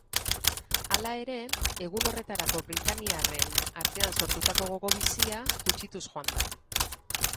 Hala ere, egun horretarako britainiarren artean sortutako gogo bizia gutxituz joan da.